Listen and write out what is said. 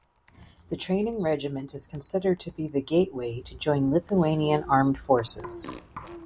The Training Regiment is considered to be the gateway to join Lithuanian Armed Forces.